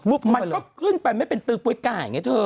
มันก็ขึ้นไปไม่เป็นตึงปุ๊ยกาอย่างนี้เธอ